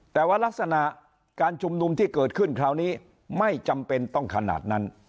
แต่ว่ารักษณะการชุมนุมที่เกิดขึ้นคราวนี้ไม่จำเป็นต้องขนาดนั้น